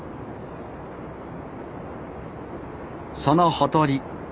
そのほとり